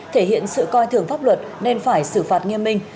thể hiện sự coi thường pháp luật nên phải xử phạt nghiêm minh